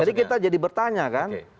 jadi kita jadi bertanya kan